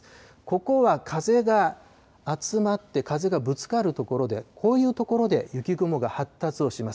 ここは風が集まって、風がぶつかる所で、こういう所で雪雲が発達をします。